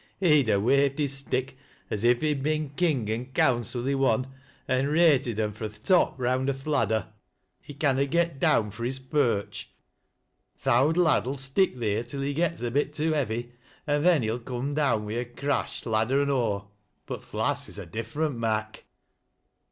He'd a waved his stick as if he'd been 'king and coimcil i' one, an' rated 'em fro' th' top round o' th' ladder. He canna get down fro' his perch. Th' owd lad '11 stick theer till he gets a bit too heavy, an' then he'll coom down wi' a crash ladder an' aw' — but th' lass is a different mak'."